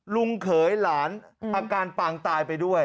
เขยหลานอาการปางตายไปด้วย